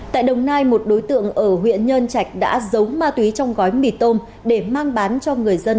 tại đồng nai một đối tượng ở huyện nhơn trạch đã giấu ma túy trong gói mì tôm để mang bán cho người dân